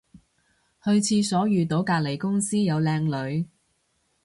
去廁所遇到隔離公司有靚女